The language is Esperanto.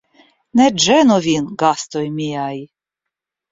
Ne ĝenu vin, gastoj miaj!